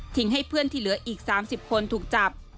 ให้เพื่อนที่เหลืออีก๓๐คนถูกจับ